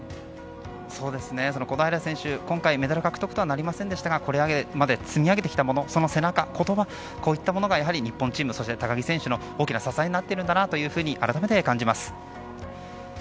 小平選手、今回メダル獲得とはなりませんでしたがこれまで積み上げてきたものその背中言葉、こういったものが日本チーム、高木選手の大きな支えになっているんだなと改めて感じます。